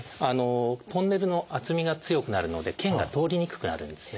トンネルの厚みが強くなるので腱が通りにくくなるんですね。